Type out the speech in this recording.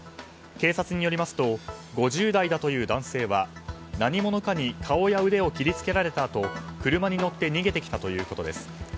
警察によりますと５０代だという男性は何者かに顔や腕を切り付けられたあと車に乗って逃げてきたということです。